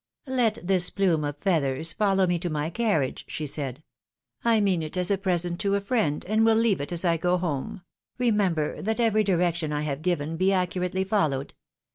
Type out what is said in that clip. " Let this plume of feathers follow me to my carnage," she said ; "I mean it as a present to a friend, and wiU leave it as I 330 THE TVIDOW MAEEIED. go home ; remember that every direction I have given be accu rately followed.